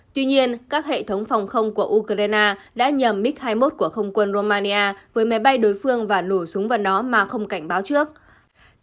tuy nhiên các hệ thống phòng không của ukraine đã nhầm mix hai mươi một của không quân romania với máy bay đối phương và nổ súng vào nó mà không cảnh báo trước